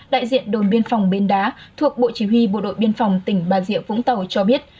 đại diện đồn biên phòng bến đá thuộc bộ chỉ huy bộ đội biên phòng tỉnh bà rịa vũng tàu cho biết